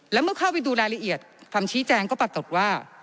แล้วเมื่อเข้าไปดูรายละเอียดคำชี้แจงก็ปรากฏว่า